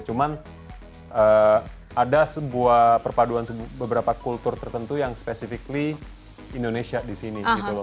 cuman ada sebuah perpaduan beberapa kultur tertentu yang spesifik indonesia di indonesia